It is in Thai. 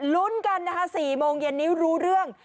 ลุ้นกันนะคะ๔โมงเย็นนี้รู้เรื่อง